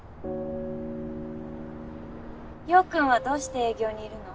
陽君はどうして営業にいるの？